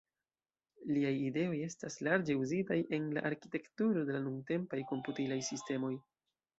Liaj ideoj estas larĝe uzitaj en la arkitekturo de la nuntempaj komputilaj sistemoj.